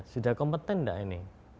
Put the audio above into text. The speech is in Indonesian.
sudah kompeten enggak ini